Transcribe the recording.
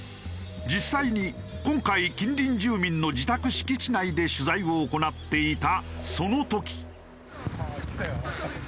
実際に今回近隣住民の自宅敷地内で取材を行っていたその時。